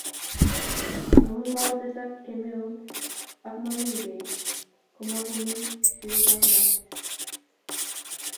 amun kokotesak kemeut ak mami bek ko makomi tuguk ab mbar